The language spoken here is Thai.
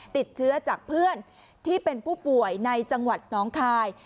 ติดเชื้อจากเพื่อนที่เป็นผู้ป่วยในจังหวัดน้องคาย